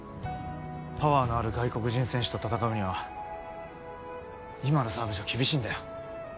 パワーのある外国人選手と戦うには今のサーブじゃ厳しいんだよ